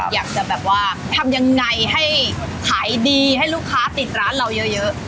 อยากจะแบบว่าทำยังไงให้ขายดีให้ลูกค้าติดร้านเราเยอะ